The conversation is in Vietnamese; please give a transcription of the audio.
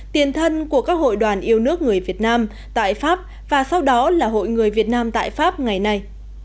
tiền thân của các hội đoàn yêu nước người việt nam tại pháp và sau đó là hội người việt nam tại pháp ngày nay